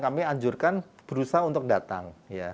kami anjurkan berusaha untuk datang